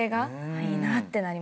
いいなってなりましたね。